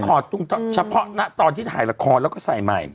เฉพาะณตอนที่ถ่ายละครแล้วก็ใส่ใหม่